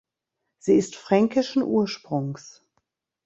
Sie ist fränkischen Ursprungs.